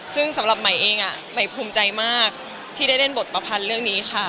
ซึ่งสำหรับใหม่เองใหม่ภูมิใจมากที่ได้เล่นบทประพันธ์เรื่องนี้ค่ะ